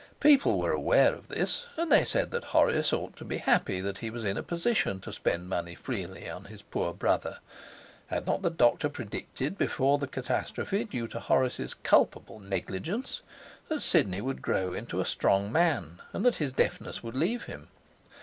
People were aware of this, and they said that Horace ought to be happy that he was in a position to spend money freely on his poor brother. Had not the doctor predicted, before the catastrophe due to Horace's culpable negligence, that Sidney would grow into a strong man, and that his deafness would leave him?